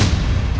aku tidak sudik